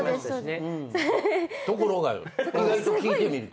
ところが聞いてみると。